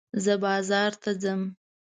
زه بازار ته ځم.